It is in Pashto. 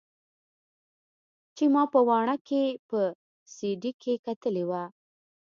چې ما په واڼه کښې په سي ډي کښې کتلې وه.